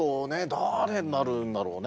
誰になるんだろうね。